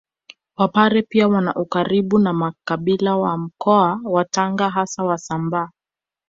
Wapare pia wana ukaribu na makabila ya Mkoa wa Tanga hasa Wasambaa